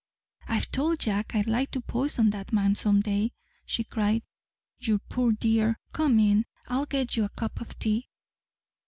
"I've told Jack I'd like to poison that man some day," she cried. "You poor dear, come in, I'll get you a cup of tea."